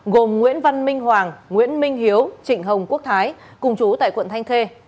gồm nguyễn văn minh hoàng nguyễn minh hiếu trịnh hồng quốc thái cùng chú tại quận thanh khê